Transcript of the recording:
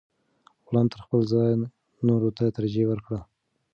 غلام تر خپل ځان نورو ته ترجیح ورکړه.